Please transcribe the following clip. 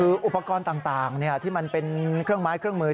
คืออุปกรณ์ต่างที่มันเป็นเครื่องไม้เครื่องมือ